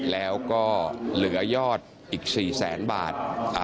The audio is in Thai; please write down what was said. แล้วก็เหลือยอดอีก๔แสนบาท